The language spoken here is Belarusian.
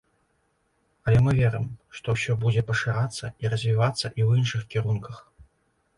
Але мы верым, што ўсё будзе пашырацца і развівацца і ў іншых кірунках.